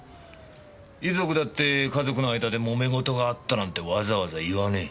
遺族だって家族の間で揉め事があったなんてわざわざ言わねえ。